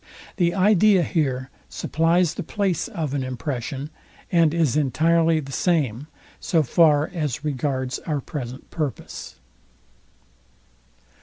The idea here supplies the place of an impression, and is entirely the same, so far as regards our present purpose.